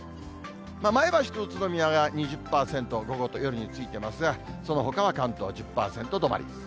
前橋と宇都宮が２０％、午後と夜についてますが、そのほかは関東１０％止まりです。